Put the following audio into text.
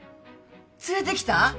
連れてきた？